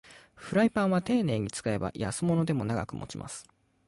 フライパンはていねいに使えば安物でも長く持ちます